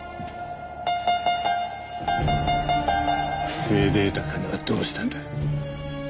不正で得た金はどうしたんだ？